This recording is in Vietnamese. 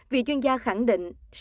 vị chuyên gia khẳng định